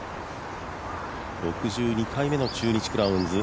６２回目の中日クラウンズ